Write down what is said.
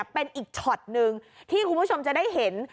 เป็นอีกช็อตหนึ่งที่คุณผู้ชมจะได้เห็น